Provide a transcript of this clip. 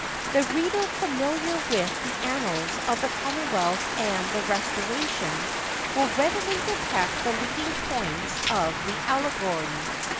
The reader familiar with the annals of the Commonwealth and the Restoration, will readily detect the leading points of the allegory.